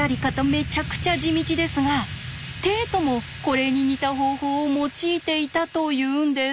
めちゃくちゃ地道ですがテイトもこれに似た方法を用いていたというんです。